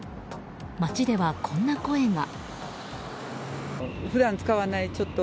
街ではこんな声が。